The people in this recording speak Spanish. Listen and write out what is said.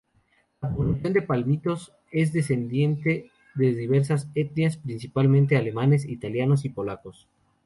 La población de Palmitos es descendiente de diversas etnias, principalmente alemanes, italianos y polacos.